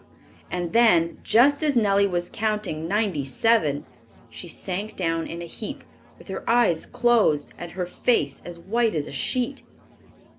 And then, just as Nellie was counting "Ninety seven," she sank down in a heap, with her eyes closed and her face as white as a sheet.